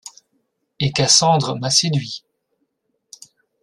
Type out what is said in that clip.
Et Cassandre m’a séduit.